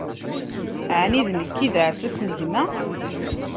ɛni d nekk i d aɛessas n gma?